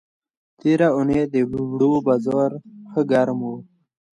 تېره اوونۍ د اوړو بازار ښه گرم و.